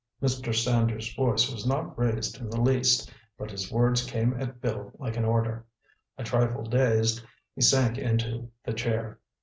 Mr. Sanders' voice was not raised in the least, but his words came at Bill like an order. A trifle dazed, he sank into the chair.